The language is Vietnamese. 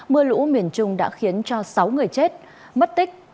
mưa lũ miền trung đã khiến cho sáu người chết mất tích